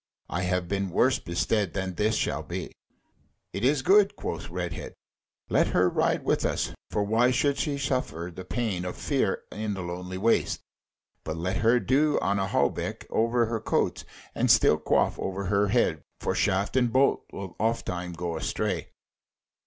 I have been worse bestead than this shall be." "It is good," quoth Redhead, "let her ride with us: for why should she suffer the pain of fear in the lonely waste? But let her do on a hauberk over her coats, and steel coif over her head, for shaft and bolt will ofttimes go astray."